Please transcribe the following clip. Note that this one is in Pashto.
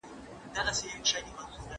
د خدماتو کیفیت د سیالۍ لامل دی.